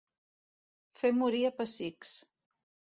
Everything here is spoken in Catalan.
Fer morir a pessics.